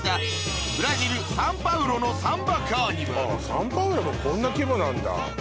サンパウロもこんな規模なんだ。